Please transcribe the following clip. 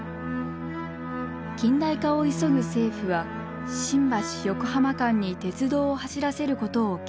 近代化を急ぐ政府は新橋横浜間に鉄道を走らせることを計画。